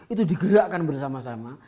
itu digerakkan bersama sama